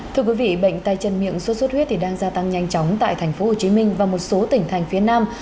thưa quý vị bệnh tay chân miệng sốt xuất huyết đang gia tăng nhanh chóng tại tp hcm và một số tỉnh thành phía nam